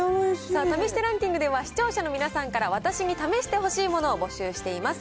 試してランキングでは、視聴者の皆さんから、私に試してほしいものを募集しています。